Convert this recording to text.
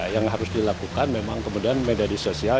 yang harus dilakukan memang kemudian media sosial